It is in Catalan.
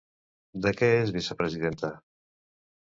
De què és vicepresidenta?